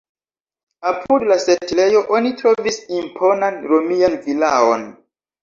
Apud la setlejo oni trovis imponan romian vilaon.